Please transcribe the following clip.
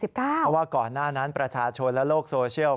เพราะว่าก่อนหน้านั้นประชาชนและโลกโซเชียล